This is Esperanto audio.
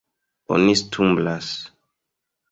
Oni stumblas.